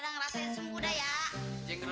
anggri anggri anggri